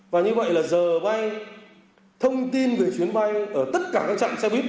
và như vậy là giờ bay thông tin về chuyến bay ở tất cả các trạm xe buýt